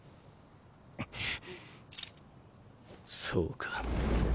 そうか。